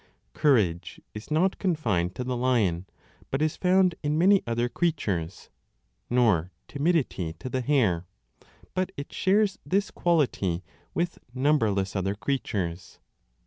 Courage is not confined to the lion, but is found in many 25 other creatures ; nor timidity to the hare, but it shares this quality with numberless other creatures.